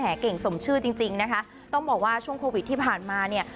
เก่งสมชื่อจริงจริงนะคะต้องบอกว่าช่วงโควิดที่ผ่านมาเนี่ย